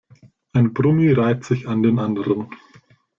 Ein Brummi reiht sich an den anderen.